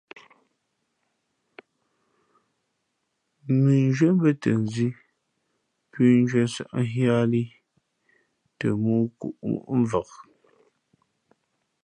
Mʉnzhwíé mbαtα nzī pʉ̌nzhwíé sα̌ʼ nhíá lī th mōō kǔʼ móʼ mvak.